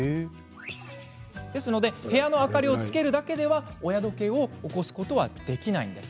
部屋の明かりをつけるだけでは親時計を起こすことはできないんです。